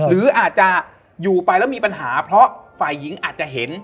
หรืออาจจะอยู่ไปแล้วมีปัญหาเพราะฝ่ายหญิงอาจจะเห็น